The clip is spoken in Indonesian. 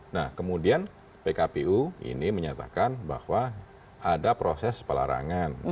nah kemudian pkpu ini menyatakan bahwa ada proses pelarangan